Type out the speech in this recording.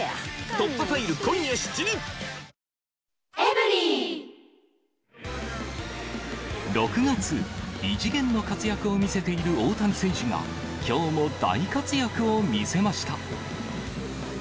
バーゲン６月３０日から開催６月、異次元の活躍を見せている大谷選手が、きょうも大活躍を見せました。